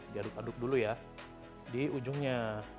diaduk aduk dulu ya di ujungnya